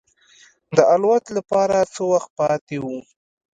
د الوت لپاره څه وخت پاتې و.